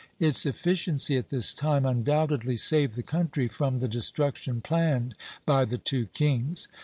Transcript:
Its efficiency at this time undoubtedly saved the country from the destruction planned by the two kings.